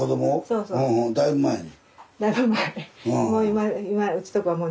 だいぶ前に？